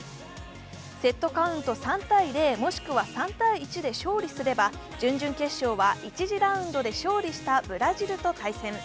セットカウント３−０もしくは３−１で勝利すれば準々決勝は１次ラウンドで勝利したブラジルと対戦。